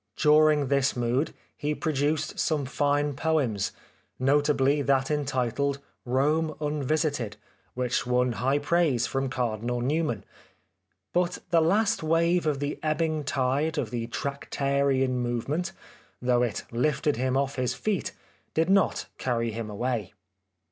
During this mood he produced some fine poems, notably that entitled ' Rome Unvisited,' which won high praise from Cardinal Newman ; but the last wave of the ebbing tide of the Tractarian Move ment, though it lifted him off his feet, did not carry him away."